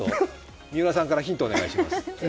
三浦さんからヒントお願いします。